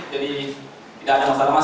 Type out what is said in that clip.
jadi tidak ada masalah mas